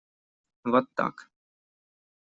Вот так.